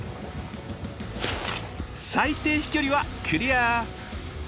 最低飛距離はクリア。